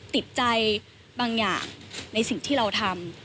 ติดใจบางอย่างในสิ่งที่เราทำ